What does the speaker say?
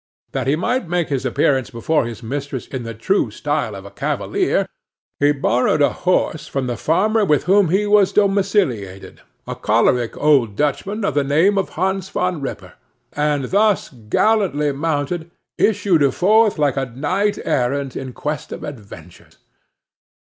That he might make his appearance before his mistress in the true style of a cavalier, he borrowed a horse from the farmer with whom he was domiciliated, a choleric old Dutchman of the name of Hans Van Ripper, and, thus gallantly mounted, issued forth like a knight errant in quest of adventures.